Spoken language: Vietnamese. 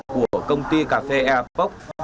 của công ty cà phê earpop